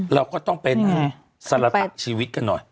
เราก็ต้องเป็นสารพัดชีวิตกันหน่อย